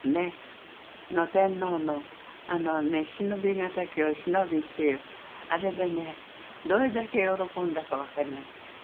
天皇の「忍び難きを忍び」っていうあれでねどれだけ喜んだか分かりません。